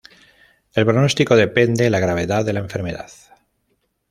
El pronóstico depende la gravedad de la enfermedad.